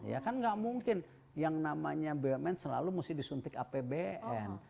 ya kan nggak mungkin yang namanya bumn selalu mesti disuntik apbn